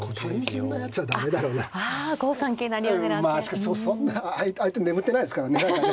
しかしそんな相手眠ってないですからね。